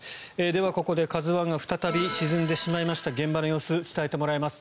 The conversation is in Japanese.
では、ここで「ＫＡＺＵ１」が再び沈んでしまいました現場の様子を伝えてもらいます。